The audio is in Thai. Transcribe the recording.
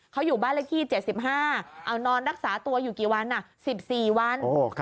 เขาอยู่บ้านเลขที่๗๕เอานอนรักษาตัวอยู่กี่วัน๑๔วัน